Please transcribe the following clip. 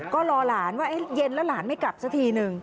ก็รอหลานว่าเย็นแล้วหลานไม่กลับสักทีนึง